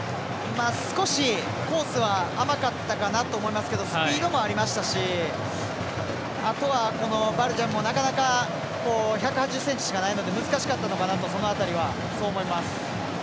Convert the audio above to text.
少しコースは甘かったかなと思いますけどスピードもありましたしあとは、バルシャムも１８０ｃｍしかないので難しかったのかなとそう思います。